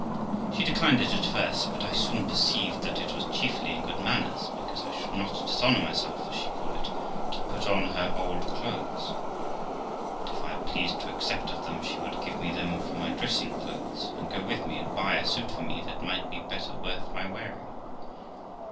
She declined it at first, but I soon perceived that it was chiefly in good manners, because I should not dishonour myself, as she called it, to put on her old clothes but, if I pleased to accept of them, she would give me them for my dressing clothes, and go with me, and buy a suit for me that might be better worth my wearing.